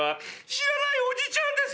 「知らないおじちゃんです」。